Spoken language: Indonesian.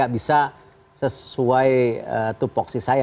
bisa sesuai tupoksi saya